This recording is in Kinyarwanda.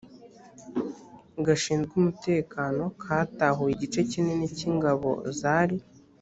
gashinzwe umutekano katahuye igice kinini k ingabo zari